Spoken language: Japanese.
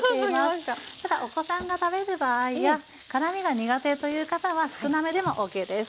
ただお子さんが食べる場合や辛みが苦手という方は少なめでもＯＫです。